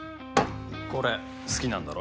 これ好きなんだろ？